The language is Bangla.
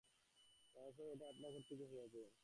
রমেশবাবু, এটা আপনা কর্তৃকই হইয়াছে।